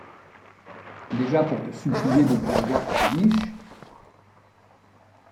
Déjà pour te supplier de faire gaffe à tes miches.